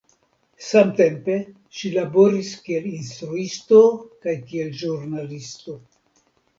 Samtempe ŝi laboris kiel instruisto kaj kiel ĵurnalisto.